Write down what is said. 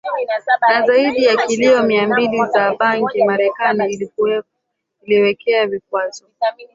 na zaidi ya kilo Mia mbili za bangiMarekani ilimwekea vikwazo